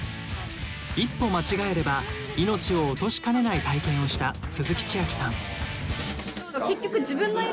一歩間違えれば命を落としかねない体験をした鈴木千秋さん。